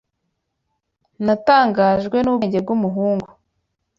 Natangajwe n'ubwenge bw'umuhungu